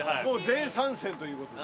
全参戦ということで。